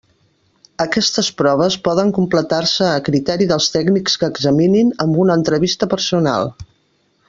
Aquestes proves poden completar-se, a criteri dels tècnics que examinin, amb una entrevista personal.